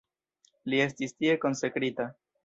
Li estis tie konsekrita.